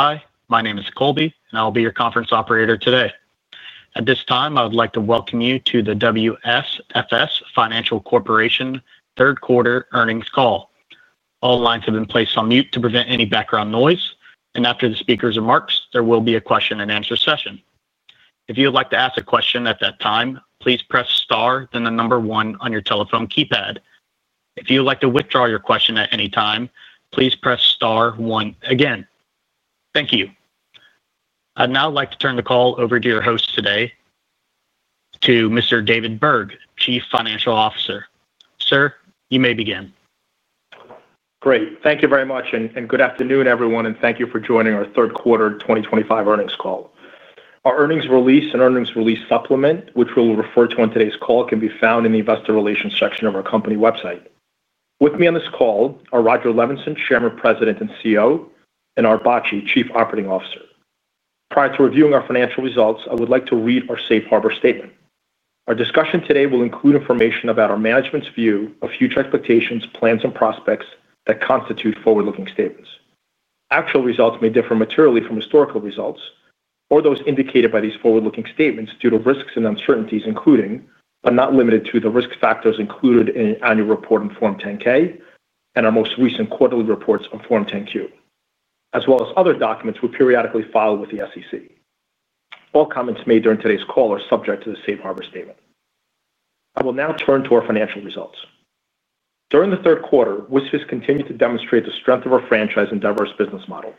Hi, my name is Colby, and I'll be your conference operator today. At this time, I would like to welcome you to the WSFS Financial Corporation third-quarter earnings call. All lines have been placed on mute to prevent any background noise, and after the speaker's remarks, there will be a question and answer session. If you would like to ask a question at that time, please press star then the number one on your telephone keypad. If you would like to withdraw your question at any time, please press star one again. Thank you. I'd now like to turn the call over to your host today, to Mr. David Burg, Chief Financial Officer. Sir, you may begin. Great, thank you very much, and good afternoon, everyone, and thank you for joining our third-quarter 2025 earnings call. Our earnings release and earnings release supplement, which we will refer to on today's call, can be found in the Investor Relations section of our company website. With me on this call are Rodger Levenson, Chairman, President, and CEO, and Arthur Bacci, Chief Operating Officer. Prior to reviewing our financial results, I would like to read our safe harbor statement. Our discussion today will include information about our management's view of future expectations, plans, and prospects that constitute forward-looking statements. Actual results may differ materially from historical results or those indicated by these forward-looking statements due to risks and uncertainties including, but not limited to, the risk factors included in the annual report and Form 10-K, and our most recent quarterly reports on Form 10-Q, as well as other documents we periodically file with the SEC. All comments made during today's call are subject to the safe harbor statement. I will now turn to our financial results. During the third quarter, WSFS continued to demonstrate the strength of our franchise and diverse business model.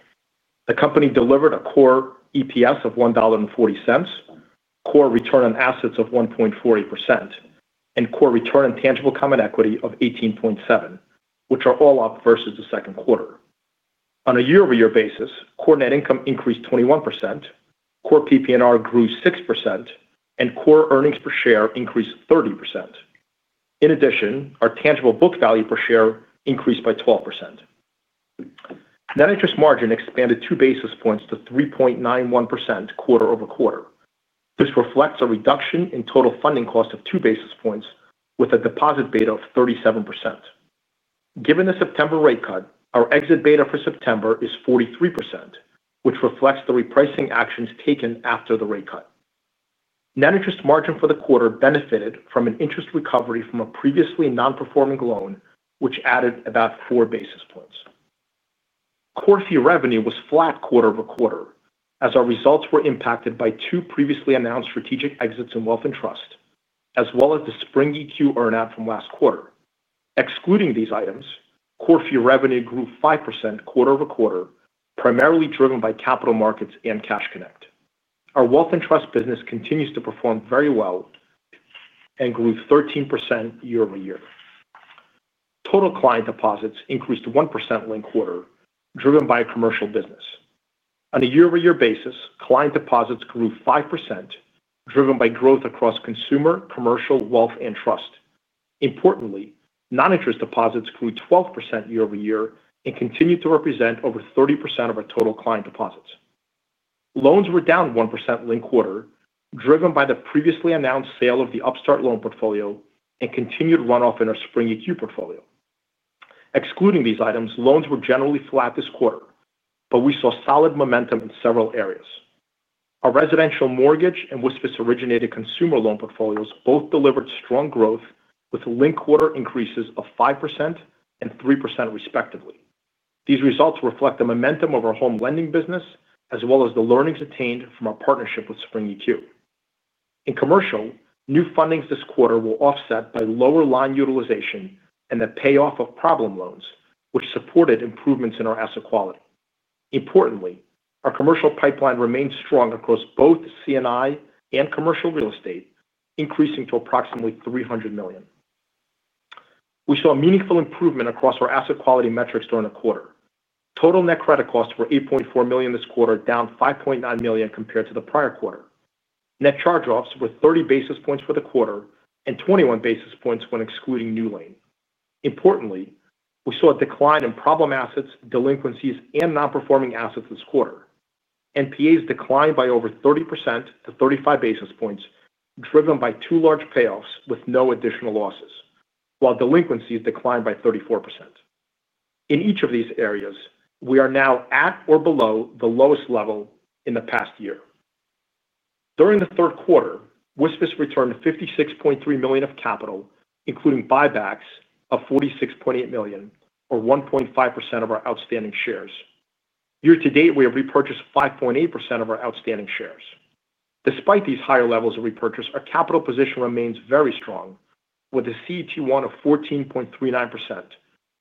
The company delivered a core EPS of $1.40, core return on assets of 1.40%, and core return on tangible common equity of 18.7%, which are all up versus the second quarter. On a year-over-year basis, core net income increased 21%, core PP&R grew 6%, and core earnings per share increased 30%. In addition, our tangible book value per share increased by 12%. Net interest margin expanded 2 basis points to 3.91% quarter over quarter. This reflects a reduction in total funding cost of two basis points with a deposit beta of 37%. Given the September rate cut, our exit beta for September is 43%, which reflects the repricing actions taken after the rate cut. Net interest margin for the quarter benefited from an interest recovery from a previously non-performing loan, which added about four basis points. Core fee revenue was flat quarter over quarter, as our results were impacted by two previously announced strategic exits in wealth and trust, as well as the Spring EQ earnout from last quarter. Excluding these items, core fee revenue grew 5% quarter over quarter, primarily driven by capital markets and Cash Connect. Our wealth and trust business continues to perform very well and grew 13% year over year. Total client deposits increased 1% linked quarter, driven by commercial business. On a year-over-year basis, client deposits grew 5%, driven by growth across consumer, commercial, wealth, and trust. Importantly, non-interest deposits grew 12% year over year and continue to represent over 30% of our total client deposits. Loans were down 1% linked quarter, driven by the previously announced sale of the Upstart loan portfolio and continued runoff in our Spring EQ portfolio. Excluding these items, loans were generally flat this quarter, but we saw solid momentum in several areas. Our residential mortgage and WSFS-originated consumer loan portfolios both delivered strong growth with linked quarter increases of 5% and 3%, respectively. These results reflect the momentum of our home lending business, as well as the learnings attained from our partnership with Spring EQ. In commercial, new fundings this quarter were offset by lower line utilization and the payoff of problem loans, which supported improvements in our asset quality. Importantly, our commercial pipeline remains strong across both C&I and commercial real estate, increasing to approximately $300 million. We saw a meaningful improvement across our asset quality metrics during the quarter. Total net credit costs were $8.4 million this quarter, down $5.9 million compared to the prior quarter. Net charge-offs were 30 basis points for the quarter and 21 basis points when excluding NewLane. Importantly, we saw a decline in problem assets, delinquencies, and non-performing assets this quarter. NPAs declined by over 30% to 35 basis points, driven by two large payoffs with no additional losses, while delinquencies declined by 34%. In each of these areas, we are now at or below the lowest level in the past year. During the third quarter, WSFS returned $56.3 million of capital, including buybacks of $46.8 million, or 1.5% of our outstanding shares. Year to date, we have repurchased 5.8% of our outstanding shares. Despite these higher levels of repurchase, our capital position remains very strong, with a CET1 of 14.39%,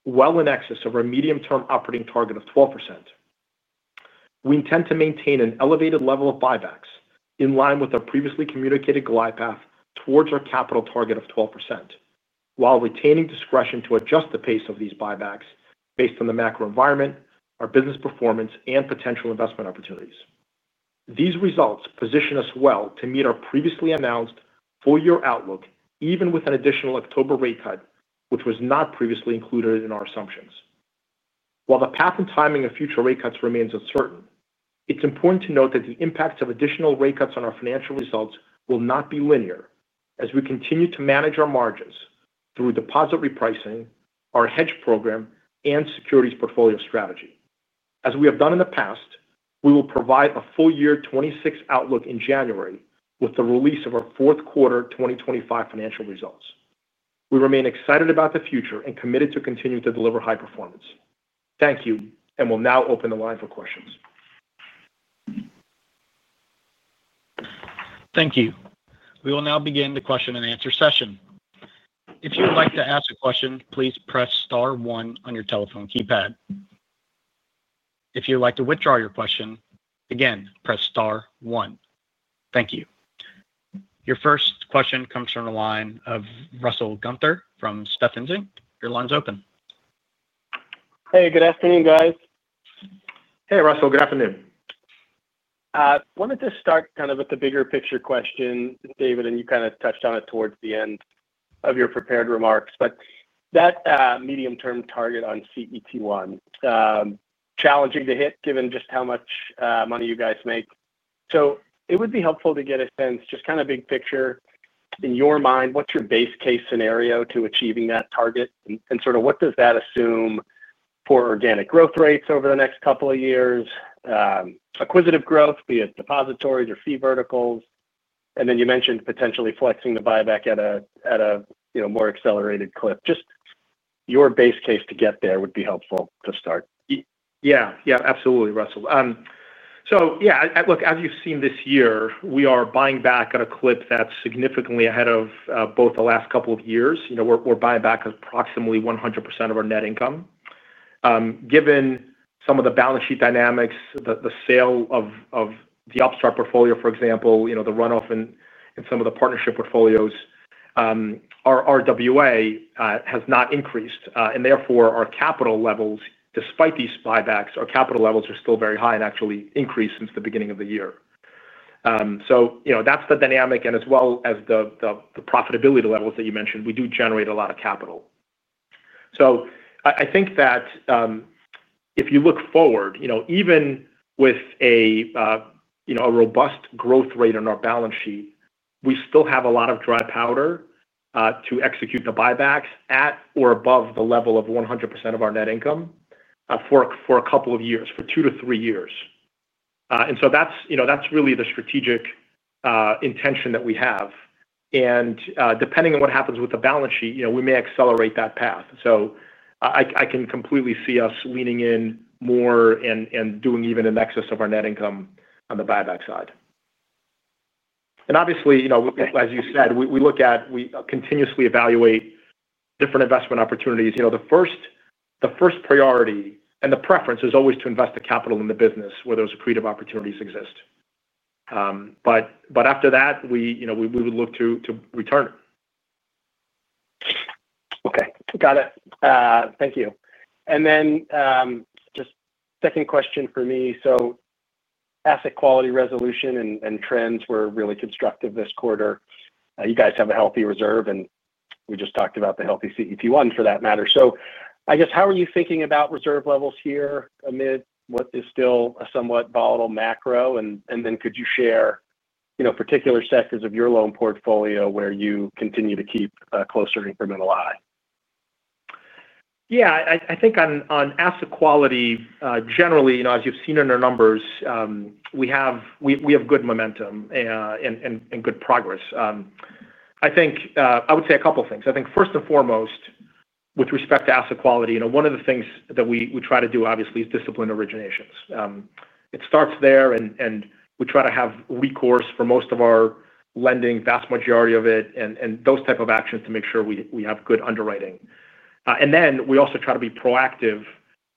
well in excess of our medium-term operating target of 12%. We intend to maintain an elevated level of buybacks in line with our previously communicated glide path towards our capital target of 12%, while retaining discretion to adjust the pace of these buybacks based on the macro environment, our business performance, and potential investment opportunities. These results position us well to meet our previously announced full-year outlook, even with an additional October rate cut, which was not previously included in our assumptions. While the path and timing of future rate cuts remains uncertain, it's important to note that the impacts of additional rate cuts on our financial results will not be linear as we continue to manage our margins through deposit repricing, our hedging program, and securities portfolio strategy. As we have done in the past, we will provide a full-year 2026 outlook in January with the release of our fourth quarter 2025 financial results. We remain excited about the future and committed to continuing to deliver high performance. Thank you, and we'll now open the line for questions. Thank you. We will now begin the question and answer session. If you would like to ask a question, please press star one on your telephone keypad. If you would like to withdraw your question, again, press star one. Thank you. Your first question comes from the line of Russell Gunther from Stephens Inc. Your line's open. Hey, good afternoon, guys. Hey, Russell, good afternoon. I wanted to start with the bigger picture question, David, and you touched on it towards the end of your prepared remarks. That medium-term target on CET1 is challenging to hit given just how much money you guys make. It would be helpful to get a sense, big picture, in your mind, what's your base case scenario to achieving that target? What does that assume for organic growth rates over the next couple of years, acquisitive growth, be it depositories or fee verticals? You mentioned potentially flexing the buyback at a more accelerated clip. Your base case to get there would be helpful to start. Yeah, absolutely, Russell. As you've seen this year, we are buying back at a clip that's significantly ahead of both the last couple of years. We're buying back approximately 100% of our net income. Given some of the balance sheet dynamics, the sale of the Upstart portfolio, for example, the runoff in some of the partnership portfolios, our RWA has not increased. Therefore, our capital levels, despite these buybacks, are still very high and actually increased since the beginning of the year. That's the dynamic. As well as the profitability levels that you mentioned, we do generate a lot of capital. I think that if you look forward, even with a robust growth rate on our balance sheet, we still have a lot of dry powder to execute the buybacks at or above the level of 100% of our net income for a couple of years, for two to three years. That's really the strategic intention that we have. Depending on what happens with the balance sheet, we may accelerate that path. I can completely see us leaning in more and doing even in excess of our net income on the buyback side. Obviously, as you said, we continuously evaluate different investment opportunities. The first priority and the preference is always to invest the capital in the business where those creative opportunities exist. After that, we would look to return. Okay, got it. Thank you. Just a second question for me. Asset quality resolution and trends were really constructive this quarter. You guys have a healthy reserve, and we just talked about the healthy CET1 for that matter. I guess how are you thinking about reserve levels here amid what is still a somewhat volatile macro? Could you share particular sectors of your loan portfolio where you continue to keep a closer incremental eye? Yeah, I think on asset quality, generally, as you've seen in our numbers, we have good momentum and good progress. I would say a couple of things. First and foremost, with respect to asset quality, one of the things that we try to do, obviously, is discipline originations. It starts there, and we try to have recourse for most of our lending, vast majority of it, and those types of actions to make sure we have good underwriting. We also try to be proactive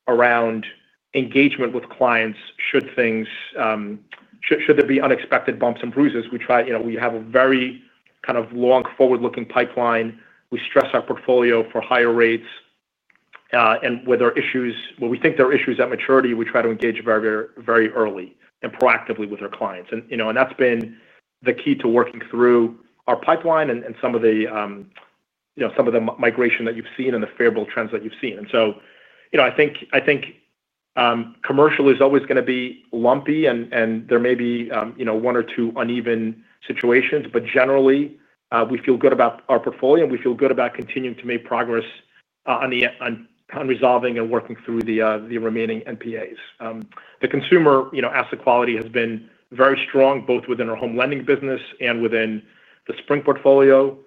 around engagement with clients should there be unexpected bumps and bruises. We have a very kind of long forward-looking pipeline. We stress our portfolio for higher rates. Where there are issues, where we think there are issues at maturity, we try to engage very, very early and proactively with our clients. That's been the key to working through our pipeline and some of the migration that you've seen and the favorable trends that you've seen. I think commercial is always going to be lumpy, and there may be one or two uneven situations. Generally, we feel good about our portfolio, and we feel good about continuing to make progress on resolving and working through the remaining NPAs. The consumer asset quality has been very strong both within our home lending business and within the Spring EQ portfolio.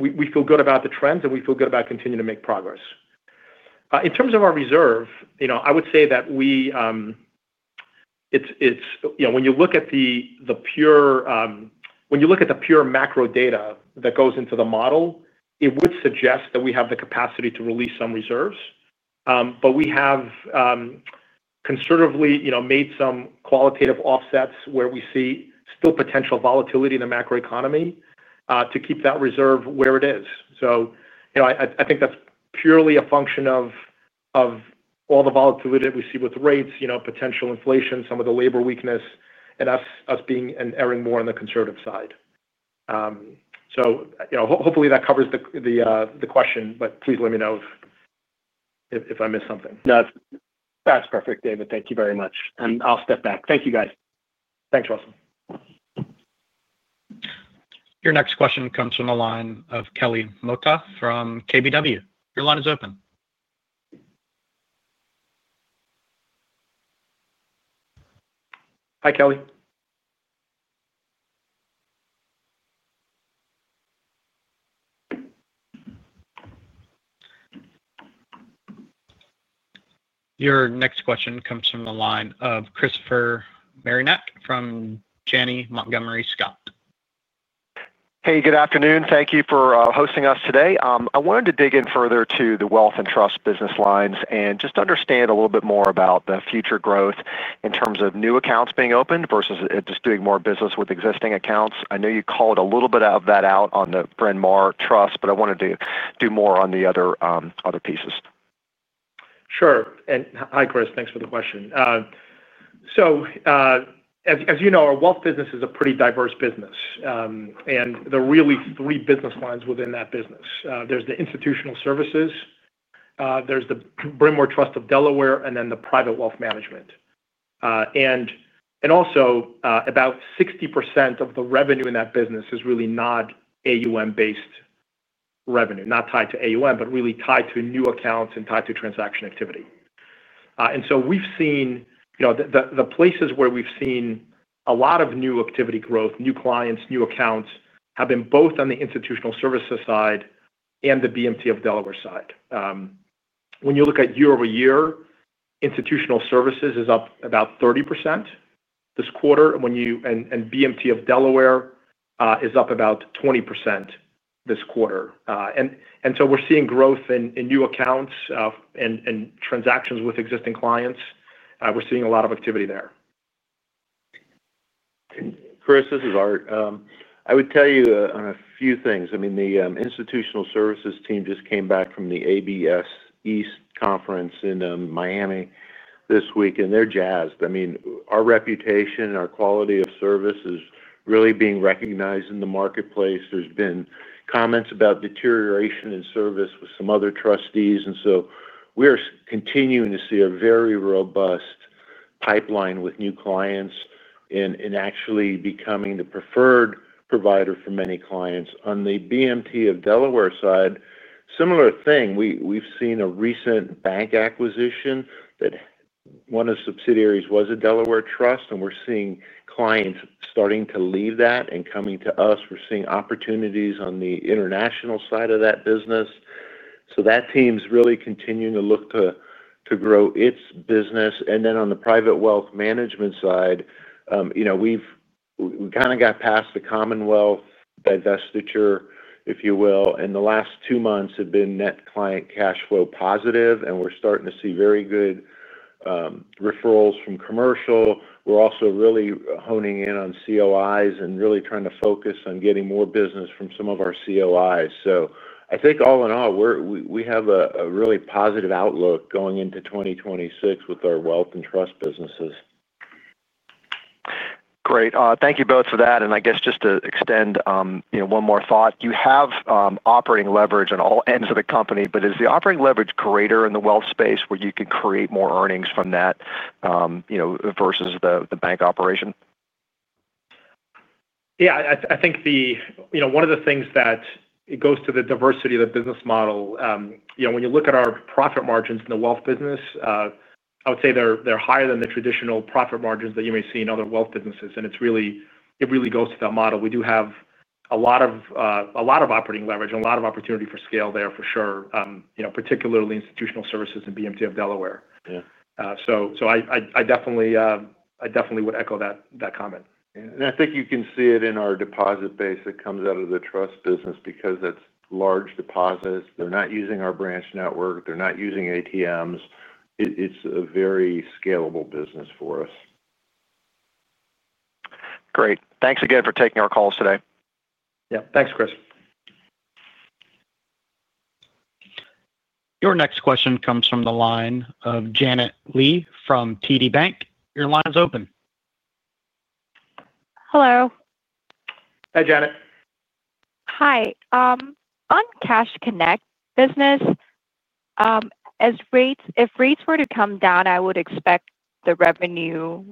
We feel good about the trends, and we feel good about continuing to make progress. In terms of our reserve, when you look at the pure macro data that goes into the model, it would suggest that we have the capacity to release some reserves. We have conservatively made some qualitative offsets where we see still potential volatility in the macro economy to keep that reserve where it is. I think that's purely a function of all the volatility that we see with rates, potential inflation, some of the labor weakness, and us erring more on the conservative side. Hopefully that covers the question, but please let me know if I missed something. No, that's perfect, David. Thank you very much. I'll step back. Thank you, guys. Thanks, Russell. Your next question comes from the line of Kelly Mota from KBW. Your line is open. Hi, Kelly. Your next question comes from the line of Christopher Marinac from Janney Montgomery Scott. Hey, good afternoon. Thank you for hosting us today. I wanted to dig in further to the wealth and trust business lines and just understand a little bit more about the future growth in terms of new accounts being opened versus just doing more business with existing accounts. I know you called a little bit of that out on the Bryn Mawr Trust, but I wanted to do more on the other pieces. Sure. Hi, Chris. Thanks for the question. As you know, our wealth business is a pretty diverse business. There are really three business lines within that business: institutional services, the Bryn Mawr Trust of Delaware, and private wealth management. Also, about 60% of the revenue in that business is really not AUM-based revenue, not tied to AUM, but really tied to new accounts and tied to transaction activity. We've seen the places where we've seen a lot of new activity growth, new clients, new accounts have been both on the institutional services side and the BMT of Delaware side. When you look at year-over-year, institutional services is up about 30% this quarter, and the BMT of Delaware is up about 20% this quarter. We're seeing growth in new accounts and transactions with existing clients. We're seeing a lot of activity there. Chris, this is Art. I would tell you on a few things. I mean, the institutional services team just came back from the ABS East Conference in Miami this week, and they're jazzed. I mean, our reputation and our quality of service is really being recognized in the marketplace. There have been comments about deterioration in service with some other trustees. We are continuing to see a very robust pipeline with new clients and actually becoming the preferred provider for many clients. On the BMT of Delaware side, similar thing. We've seen a recent bank acquisition where one of the subsidiaries was a Delaware trust, and we're seeing clients starting to leave that and coming to us. We're seeing opportunities on the international side of that business. That team's really continuing to look to grow its business. On the private wealth management side, we've kind of got past the Commonwealth divestiture, if you will. The last two months have been net client cash flow positive, and we're starting to see very good referrals from commercial. We're also really honing in on COIs and really trying to focus on getting more business from some of our COIs. I think all in all, we have a really positive outlook going into 2026 with our wealth and trust businesses. Great. Thank you both for that. I guess just to extend one more thought. You have operating leverage on all ends of the company, but is the operating leverage greater in the wealth space where you can create more earnings from that versus the bank operation? I think one of the things that goes to the diversity of the business model, when you look at our profit margins in the wealth business, I would say they're higher than the traditional profit margins that you may see in other wealth businesses. It really goes to that model. We do have a lot of operating leverage and a lot of opportunity for scale there, for sure, particularly institutional services and BMT of Delaware. I definitely would echo that comment. You can see it in our deposit base that comes out of the trust business because that's large deposits. They're not using our branch network or ATMs. It's a very scalable business for us. Great. Thanks again for taking our calls today. Yeah, thanks, Chris. Your next question comes from the line of Janet Lee from TD Bank. Your line's open. Hello. Hi, Janet. Hi. On Cash Connect business, if rates were to come down, I would expect the revenue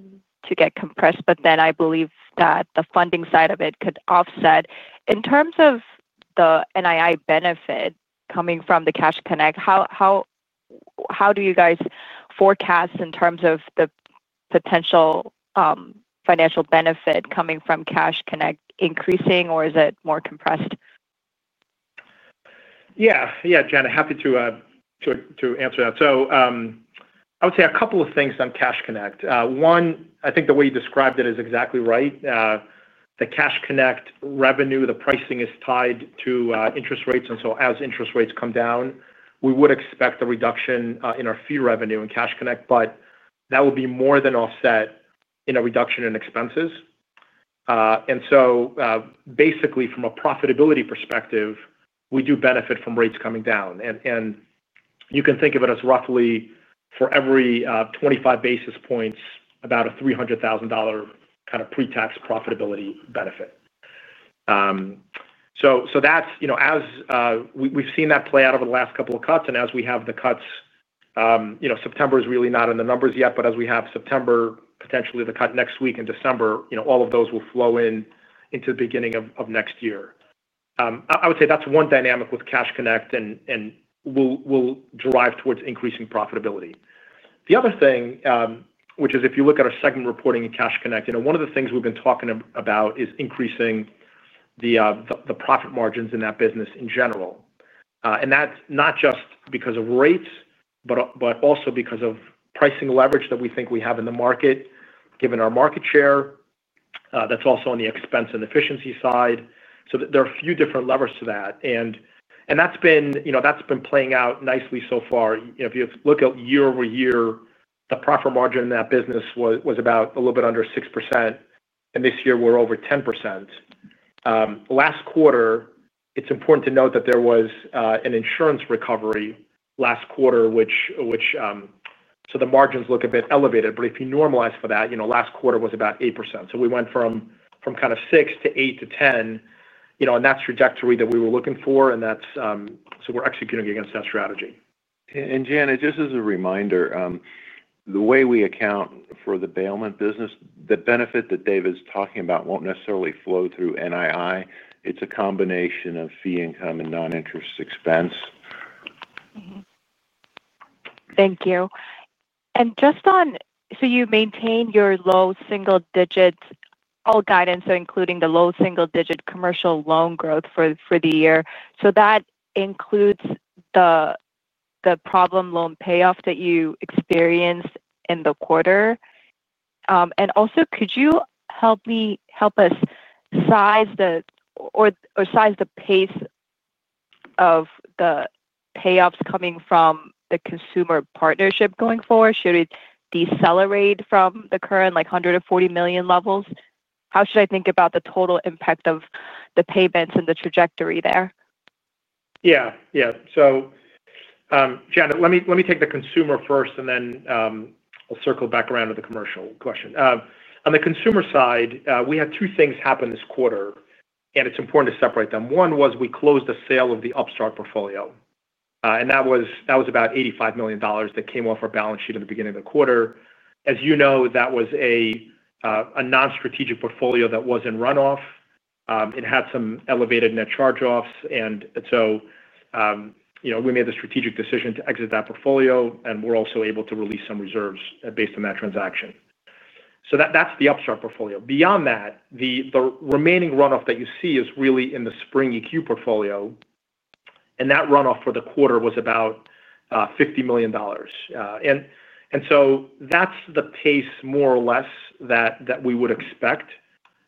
to get compressed, but then I believe that the funding side of it could offset. In terms of the NII benefit coming from the Cash Connect, how do you guys forecast in terms of the potential financial benefit coming from Cash Connect increasing, or is it more compressed? Yeah, Janet, happy to answer that. I would say a couple of things on Cash Connect. One, I think the way you described it is exactly right. The Cash Connect revenue, the pricing is tied to interest rates. As interest rates come down, we would expect a reduction in our fee revenue in Cash Connect, but that would be more than offset in a reduction in expenses. Basically, from a profitability perspective, we do benefit from rates coming down. You can think of it as roughly for every 25 basis points, about a $300,000 kind of pre-tax profitability benefit. That's, you know, as we've seen that play out over the last couple of cuts, and as we have the cuts, September is really not in the numbers yet, but as we have September, potentially the cut next week in December, all of those will flow in into the beginning of next year. I would say that's one dynamic with Cash Connect, and we'll drive towards increasing profitability. The other thing, which is if you look at our segment reporting in Cash Connect, one of the things we've been talking about is increasing the profit margins in that business in general. That's not just because of rates, but also because of pricing leverage that we think we have in the market, given our market share. That's also on the expense and efficiency side. There are a few different levers to that. That's been playing out nicely so far. If you look at year over year, the profit margin in that business was about a little bit under 6%. This year, we're over 10%. Last quarter, it's important to note that there was an insurance recovery last quarter, which, so the margins look a bit elevated. If you normalize for that, last quarter was about 8%. We went from kind of 6% to 8% to 10%, and that's the trajectory that we were looking for. We're executing against that strategy. Janet, just as a reminder, the way we account for the bailment business, the benefit that David's talking about won't necessarily flow through NII. It's a combination of fee income and non-interest expense. Thank you. You maintain your low single-digit all guidance, including the low single-digit commercial loan growth for the year. That includes the problem loan payoff that you experienced in the quarter. Could you help us size the pace of the payoffs coming from the consumer partnership going forward? Should it decelerate from the current $140 million levels? How should I think about the total impact of the payments and the trajectory there? Janet, let me take the consumer first, and then I'll circle back around to the commercial question. On the consumer side, we had two things happen this quarter, and it's important to separate them. One was we closed the sale of the Upstart portfolio. That was about $85 million that came off our balance sheet at the beginning of the quarter. As you know, that was a non-strategic portfolio that was in runoff. It had some elevated net charge-offs. We made the strategic decision to exit that portfolio, and we were also able to release some reserves based on that transaction. That's the Upstart portfolio. Beyond that, the remaining runoff that you see is really in the Spring EQ portfolio. That runoff for the quarter was about $50 million. That's the pace, more or less, that we would expect,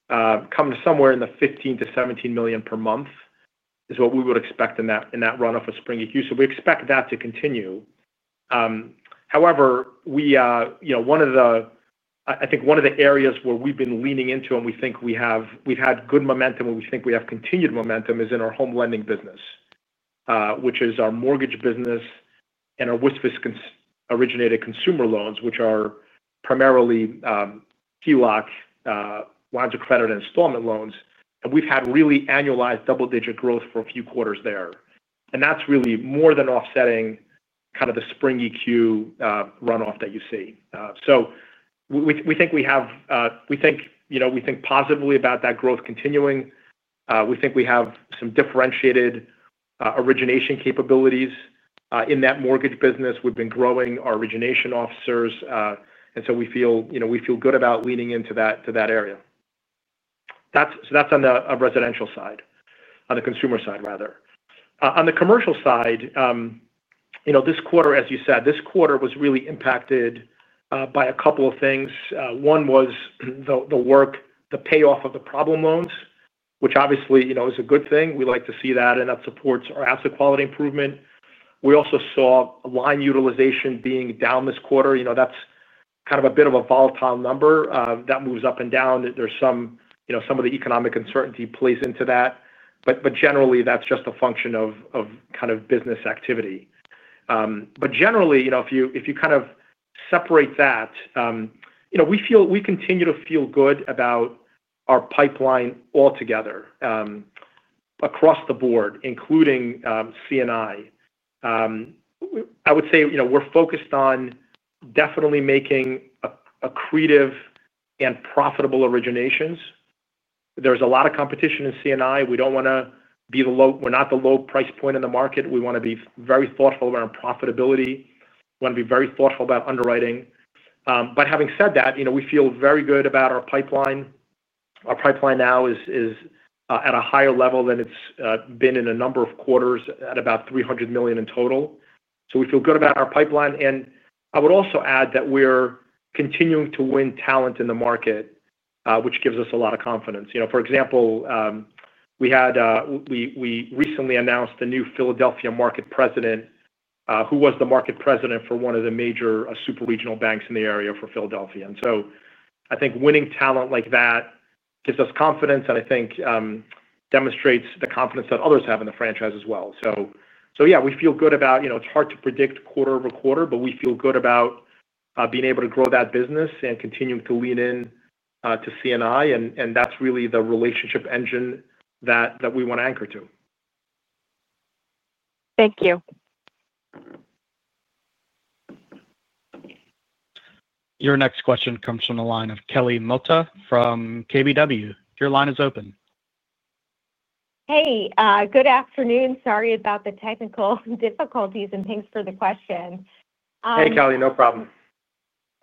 coming somewhere in the $15 million-$17 million per month is what we would expect in that runoff of Spring EQ. We expect that to continue. One of the areas where we've been leaning into and we think we've had good momentum and we think we have continued momentum is in our home lending business, which is our mortgage business and our WSFS-originated consumer loans, which are primarily PLOC, lines of credit, and installment loans. We've had really annualized double-digit growth for a few quarters there. That's really more than offsetting the Spring EQ runoff that you see. We think positively about that growth continuing. We think we have some differentiated origination capabilities in that mortgage business. We've been growing our origination officers. We feel good about leaning into that area. That's on the residential side, on the consumer side. On the commercial side, this quarter was really impacted by a couple of things. One was the payoff of the problem loans, which obviously is a good thing. We like to see that, and that supports our asset quality improvement. We also saw line utilization being down this quarter. That's kind of a bit of a volatile number. That moves up and down. Some of the economic uncertainty plays into that. Generally, that's just a function of business activity. Generally, if you kind of separate that, we feel we continue to feel good about our pipeline altogether across the board, including CNI. I would say we're focused on definitely making accretive and profitable originations. There's a lot of competition in CNI. We don't want to be the low, we're not the low price point in the market. We want to be very thoughtful around profitability. We want to be very thoughtful about underwriting. Having said that, we feel very good about our pipeline. Our pipeline now is at a higher level than it's been in a number of quarters, at about $300 million in total. We feel good about our pipeline. I would also add that we're continuing to win talent in the market, which gives us a lot of confidence. For example, we recently announced the new Philadelphia Market President, who was the Market President for one of the major super regional banks in the area for Philadelphia. I think winning talent like that gives us confidence, and I think demonstrates the confidence that others have in the franchise as well. We feel good about, you know, it's hard to predict quarter over quarter, but we feel good about being able to grow that business and continuing to lean into CNI. That's really the relationship engine that we want to anchor to. Thank you. Your next question comes from the line of Kelly Mota from KBW. Your line is open. Hey, good afternoon. Sorry about the technical difficulties, and thanks for the question. Hey, Kelly, no problem.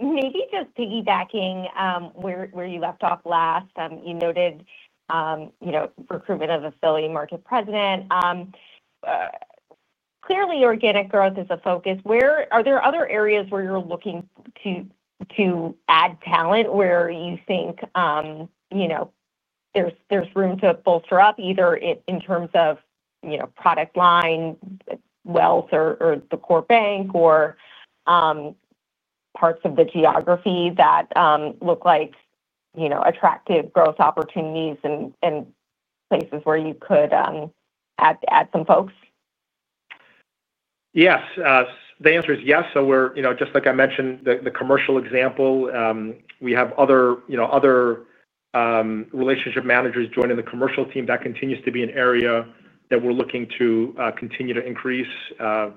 Maybe just piggybacking where you left off last, you noted, you know, recruitment of a Philly Market President. Clearly, organic growth is a focus. Are there other areas where you're looking to add talent where you think, you know, there's room to bolster up, either in terms of, you know, product line, wealth, or the core bank, or parts of the geography that look like, you know, attractive growth opportunities and places where you could add some folks? Yes, the answer is yes. Just like I mentioned, the commercial example, we have other relationship managers joining the commercial team. That continues to be an area that we're looking to continue to increase. That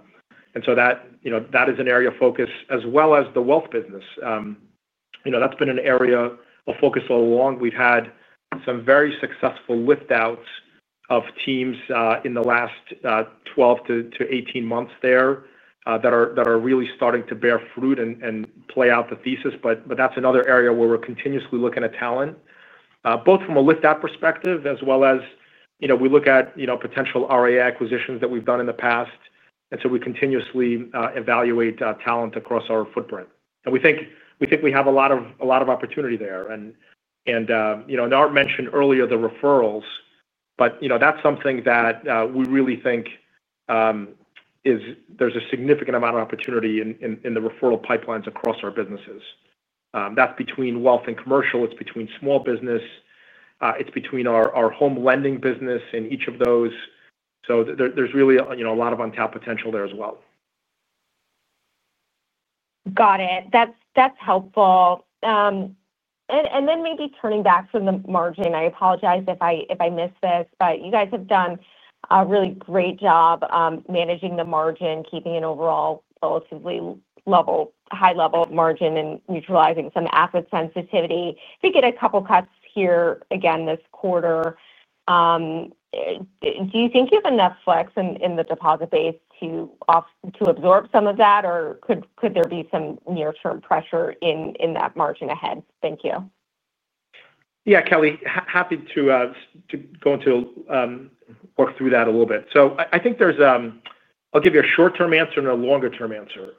is an area of focus, as well as the wealth business. That's been an area of focus all along. We've had some very successful liftouts of teams in the last 12 months-18 months there that are really starting to bear fruit and play out the thesis. That's another area where we're continuously looking at talent, both from a liftout perspective, as well as, you know, we look at potential RIA acquisitions that we've done in the past. We continuously evaluate talent across our footprint. We think we have a lot of opportunity there. Art mentioned earlier the referrals, but that's something that we really think there's a significant amount of opportunity in the referral pipelines across our businesses. That's between wealth and commercial, between small business, and between our home lending business in each of those. There's really a lot of untapped potential there as well. Got it. That's helpful. Maybe turning back from the margin, I apologize if I missed this, but you guys have done a really great job managing the margin, keeping an overall relatively high-level margin and neutralizing some asset sensitivity. If we get a couple of cuts here again this quarter, do you think you have enough flex in the deposit base to absorb some of that, or could there be some near-term pressure in that margin ahead? Thank you. Yeah, Kelly, happy to go into work through that a little bit. I think there's, I'll give you a short-term answer and a longer-term answer.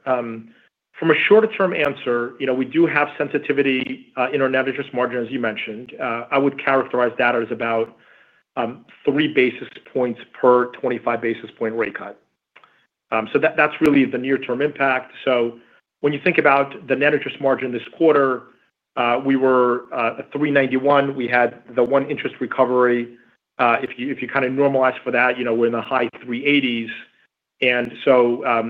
From a shorter-term answer, you know, we do have sensitivity in our net interest margin, as you mentioned. I would characterize that as about 3 basis points per 25 basis point rate cut. That's really the near-term impact. When you think about the net interest margin this quarter, we were at 3.91. We had the one interest recovery. If you kind of normalize for that, you know, we're in the high 3.80s.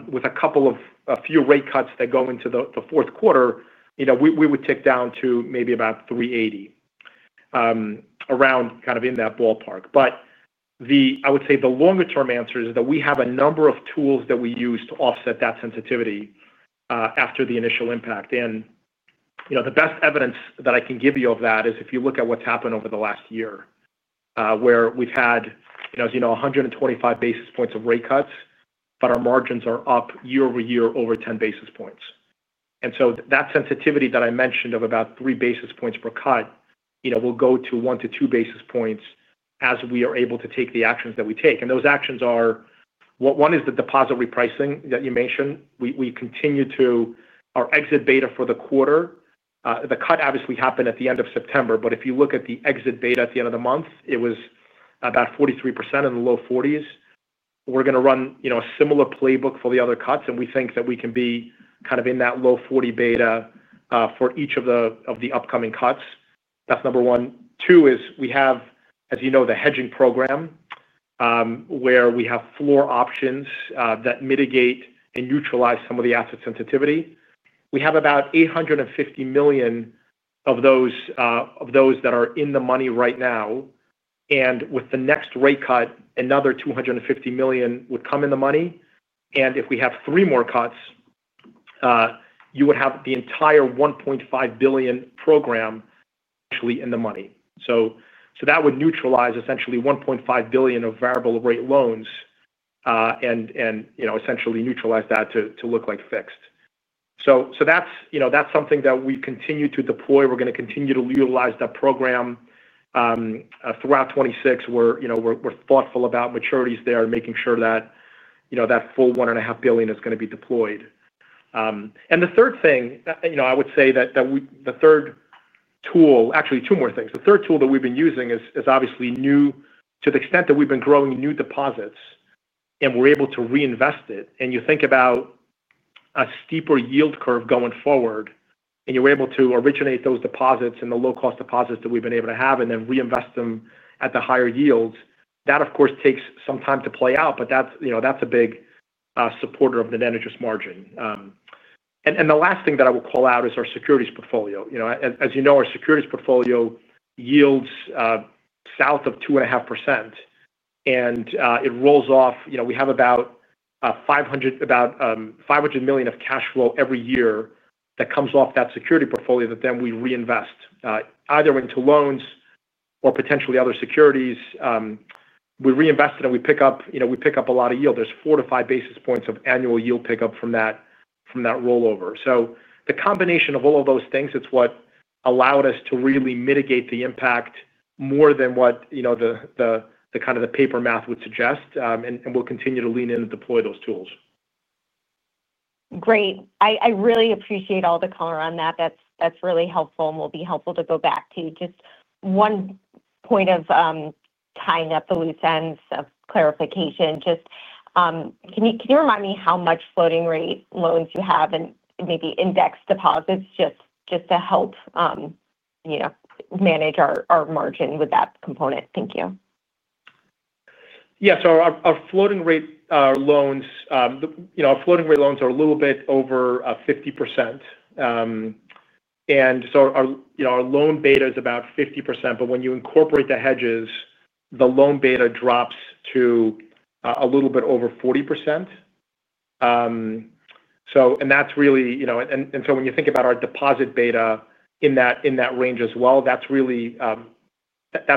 With a couple of few rate cuts that go into the fourth quarter, you know, we would tick down to maybe about 3.80, around kind of in that ballpark. I would say the longer-term answer is that we have a number of tools that we use to offset that sensitivity after the initial impact. The best evidence that I can give you of that is if you look at what's happened over the last year, where we've had, you know, as you know, 125 basis points of rate cuts, but our margins are up year over year over 10 basis points. That sensitivity that I mentioned of about 3 basis points per cut, you know, will go to 1 to 2 basis points as we are able to take the actions that we take. Those actions are, well, one is the deposit repricing that you mentioned. We continue to, our exit beta for the quarter, the cut obviously happened at the end of September, but if you look at the exit beta at the end of the month, it was about 43% in the low 40s. We're going to run, you know, a similar playbook for the other cuts, and we think that we can be kind of in that low 40 beta for each of the upcoming cuts. That's number one. Two is we have, as you know, the hedging program where we have floor options that mitigate and neutralize some of the asset sensitivity. We have about $850 million of those that are in the money right now. With the next rate cut, another $250 million would come in the money. If we have three more cuts, you would have the entire $1.5 billion program actually in the money. That would neutralize essentially $1.5 billion of variable rate loans and, you know, essentially neutralize that to look like fixed. That's, you know, that's something that we continue to deploy. We're going to continue to utilize that program throughout 2026. We're, you know, we're thoughtful about maturities there and making sure that, you know, that full $1.5 billion is going to be deployed. The third tool that we've been using is obviously new to the extent that we've been growing new deposits, and we're able to reinvest it. You think about a steeper yield curve going forward, and you're able to originate those deposits and the low-cost deposits that we've been able to have and then reinvest them at the higher yields. That, of course, takes some time to play out, but that's a big supporter of the net interest margin. The last thing that I will call out is our securities portfolio. As you know, our securities portfolio yields south of 2.5%. It rolls off, and we have about $500 million of cash flow every year that comes off that securities portfolio that then we reinvest either into loans or potentially other securities. We reinvest it and we pick up a lot of yield. There's four to five basis points of annual yield pickup from that rollover. The combination of all of those things is what allowed us to really mitigate the impact more than what the kind of the paper math would suggest. We'll continue to lean in and deploy those tools. Great. I really appreciate all the color on that. That's really helpful and will be helpful to go back to. Just one point of tying up the loose ends of clarification. Can you remind me how much floating rate loans you have and maybe index deposits just to help, you know, manage our margin with that component? Thank you. Yeah, so our floating rate loans are a little bit over 50%, and our loan beta is about 50%. When you incorporate the hedges, the loan beta drops to a little bit over 40%. That’s really, you know, when you think about our deposit beta in that range as well, that’s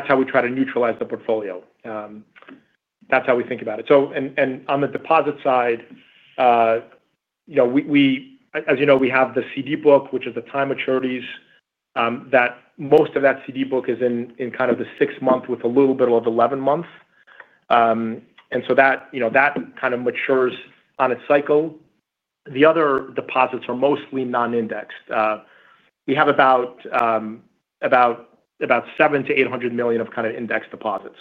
how we try to neutralize the portfolio. That’s how we think about it. On the deposit side, as you know, we have the CD book, which is the time maturities. Most of that CD book is in kind of the six-month with a little bit of 11-month, and that kind of matures on its cycle. The other deposits are mostly non-indexed. We have about $700 million-$800 million of kind of index deposits.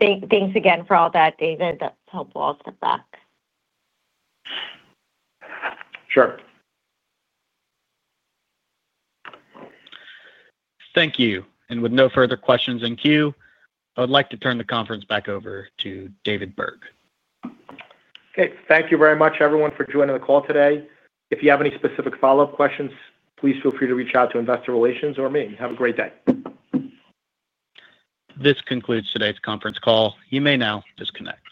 Thanks again for all that, David. That's helpful. I'll step back. Sure. Thank you. With no further questions in queue, I would like to turn the conference back over to David Burg. Okay, thank you very much, everyone, for joining the call today. If you have any specific follow-up questions, please feel free to reach out to Investor Relations or me. Have a great day. This concludes today's conference call. You may now disconnect.